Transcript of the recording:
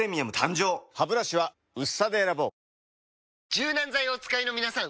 柔軟剤をお使いのみなさん！